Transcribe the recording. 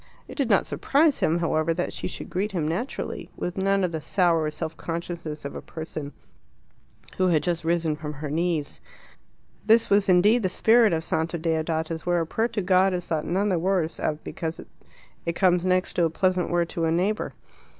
It did not surprise him, however, that she should greet him naturally, with none of the sour self consciousness of a person who had just risen from her knees. This was indeed the spirit of Santa Deodata's, where a prayer to God is thought none the worse of because it comes next to a pleasant word to a neighbour.